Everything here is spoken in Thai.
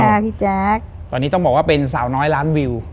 พี่แจ๊คตอนนี้ต้องบอกว่าเป็นสาวน้อยล้านวิว